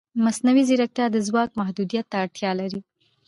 مصنوعي ځیرکتیا د ځواک محدودیت ته اړتیا لري.